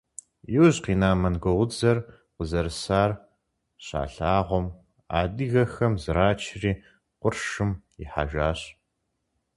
Иужь къина монголыдзэр къызэрысар щалъагъум, адыгэхэм зрачри, къуршым ихьэжащ.